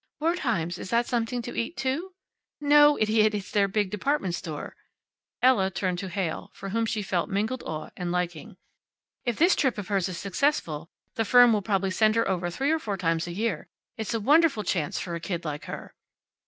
"Wertheim's? Is that something to eat, too?" "No, idiot. It's their big department store." Ella turned to Heyl, for whom she felt mingled awe and liking. "If this trip of hers is successful, the firm will probably send her over three or four times a year. It's a wonderful chance for a kid like her."